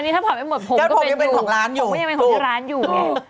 อันนี้ถ้าผ่านไปหมดผมก็เป็นอยู่ผมยังเป็นคนที่ร้านอยู่